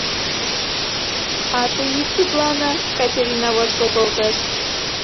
— А тый ит сутлане, — Катерина воштыл колтыш.